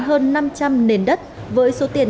hơn năm trăm linh nền đất với số tiền